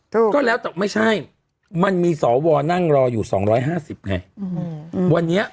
ถูกแต่ไม่ใช่มันมีสอวอร์นั่งรออยู่สองร้อยห้าสิบไหน